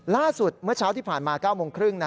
ล่าสุดเมื่อเช้าที่ผ่านมา๙โมงครึ่ง